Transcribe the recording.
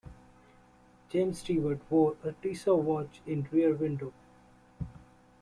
James Stewart wore a Tissot watch in "Rear Window".